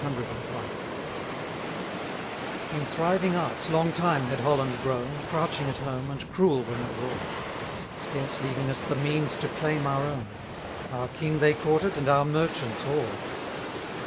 1 In thriving arts long time had Holland grown, Crouching at home and cruel when abroad: Scarce leaving us the means to claim our own; Our King they courted, and our merchants awed.